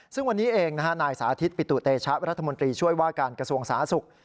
ซึ่งวันนี้เองนายสาธิตปิตุเตชะรัฐมนตรีช่วยว่าการกระทรวงสาธารณสุข